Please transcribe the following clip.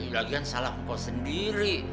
lagian salah kau sendiri